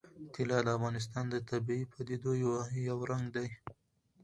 طلا د افغانستان د طبیعي پدیدو یو رنګ دی.